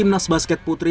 tim nas basket putri